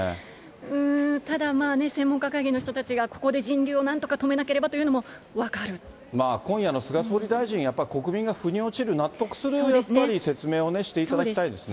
うーん、ただまあね、専門家会議の人たちがここで人流をなんとか止めなければというの今夜の菅総理大臣、やっぱり国民が腑に落ちる、納得するやっぱり説明をね、していただきたいですね。